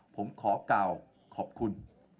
ผมขอกล่าวขอบคุณ